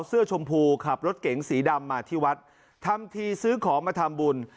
เสื้อชมพูขับรถเก๋งสีดำมาที่วัดทำทีซื้อของมาทำบุญ